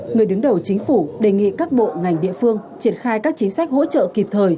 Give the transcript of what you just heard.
người đứng đầu chính phủ đề nghị các bộ ngành địa phương triển khai các chính sách hỗ trợ kịp thời